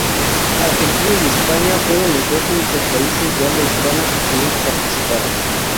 Argentina y España fueron los dos únicos países de habla hispana que participaron.